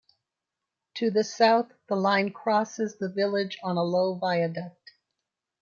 To the south the line crosses the village on a low viaduct.